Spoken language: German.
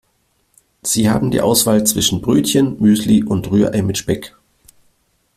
Sie haben die Auswahl zwischen Brötchen, Müsli und Rührei mit Speck.